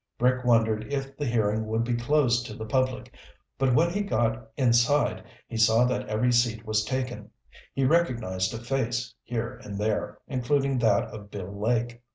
Rick wondered if the hearing would be closed to the public, but when he got inside he saw that every seat was taken. He recognized a face here and there, including that of Bill Lake.